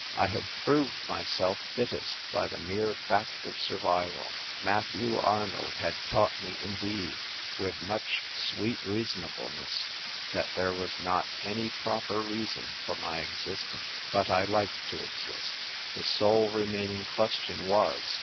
I had proved myself fittest by the mere fact of survival. Matthew Arnold had taught me, indeed, with much sweet reasonableness, that there was not any proper reason for my exist ing; but I like to exist. The sole remaining question was.